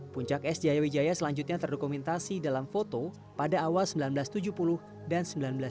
puncak es jaya wijaya selanjutnya terdokumentasi dalam foto pada awal seribu sembilan ratus tujuh puluh dan seribu sembilan ratus sembilan puluh